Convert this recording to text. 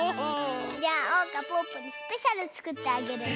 じゃあおうかぽぅぽにスペシャルつくってあげるね！